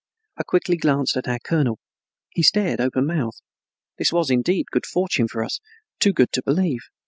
I quickly glanced at our colonel. He stared open mouthed. This was, indeed, good fortune for us, too good to believe.